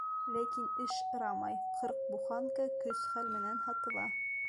Ләкин эш ырамай, ҡырҡ буханка көс-хәл менән һатыла.